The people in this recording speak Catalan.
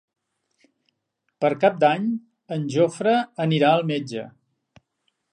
Per Cap d'Any en Jofre anirà al metge.